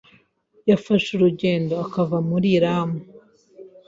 yafashe urugendo akava muri Iram